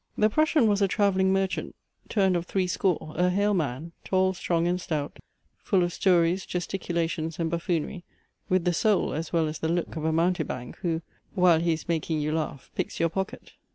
The Prussian was a travelling merchant, turned of threescore, a hale man, tall, strong, and stout, full of stories, gesticulations, and buffoonery, with the soul as well as the look of a mountebank, who, while he is making you laugh, picks your pocket.